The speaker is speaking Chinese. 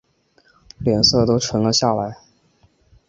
脸色都沉了下来